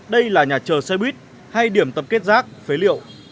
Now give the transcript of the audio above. đây là nhà chờ xe buýt hay điểm tập kết rác phế liệu